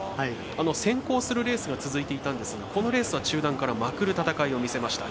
先行するレースが続いていたんですがこのレースは中団からまくる戦いを見せました。